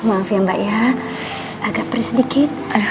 maaf ya mbak ya agak perih sedikit